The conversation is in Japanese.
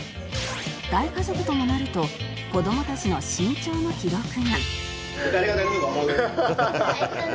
大家族ともなると子どもたちの身長の記録が